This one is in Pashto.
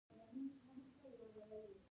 آیا د پوهنتونونو کچه یې لوړه نه ده؟